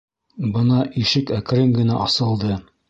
Бына ишек әкрен генә асылды.